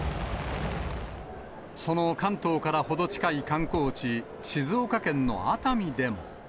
その関東から程近い観光地、静岡県の熱海でも。